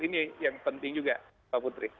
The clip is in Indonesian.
ini yang penting juga mbak putri